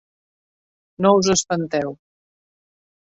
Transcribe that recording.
No us espanteu